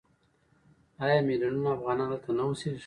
آیا میلیونونه افغانان هلته نه اوسېږي؟